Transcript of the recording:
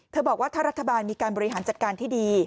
ถ้ารักษาบาลมีการบริหารจัดการที่ดี